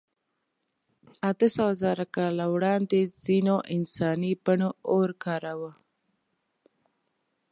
اتهسوهزره کاله وړاندې ځینو انساني بڼو اور کاراوه.